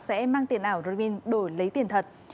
sẽ mang tiền ảo rơ vin đổi lấy tiền thật